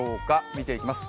見ていきます。